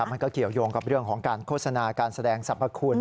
มันก็เกี่ยวยงกับเรื่องของการโฆษณาการแสดงสรรพคุณ